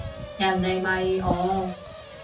人哋咪哦